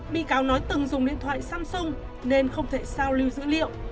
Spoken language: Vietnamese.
bị cáo nói từng dùng điện thoại samsung nên không thể sao lưu dữ liệu